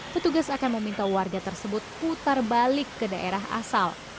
petugas akan meminta warga tersebut putar balik ke daerah asal